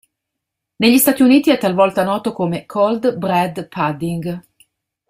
Negli Stati Uniti è talvolta noto come "cold bread pudding".